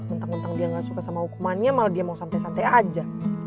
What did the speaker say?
mentang mentang dia gak suka sama hukumannya malah dia mau santai santai aja